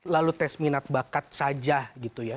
lalu tes minat bakat saja gitu ya